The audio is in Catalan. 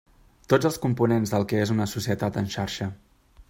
Tots els components del que és una societat en xarxa.